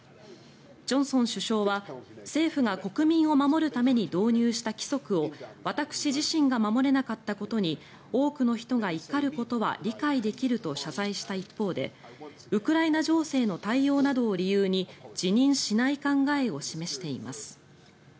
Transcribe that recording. ジョンソン首相は政府が国民を守るために導入した規則を私自身が守れなかったことに多くの人が怒ることは理解できると謝罪した一方でウクライナ情勢の対応などを理由に辞任しない考えを示しています。